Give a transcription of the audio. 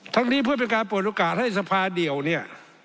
นี้เพื่อเป็นการเปิดโอกาสให้สภาเดี่ยวเนี่ย